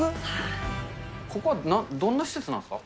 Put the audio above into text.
ここはどんな施設なんですか？